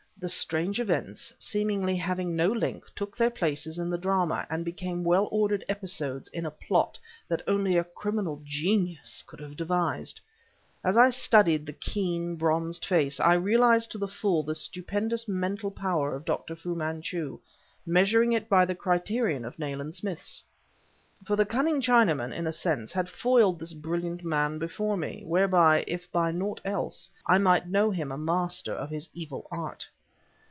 The strange events, seemingly having no link, took their places in the drama, and became well ordered episodes in a plot that only a criminal genius could have devised. As I studied the keen, bronzed face, I realized to the full the stupendous mental power of Dr. Fu Manchu, measuring it by the criterion of Nayland Smith's. For the cunning Chinaman, in a sense, had foiled this brilliant man before me, whereby, if by nought else, I might know him a master of his evil art.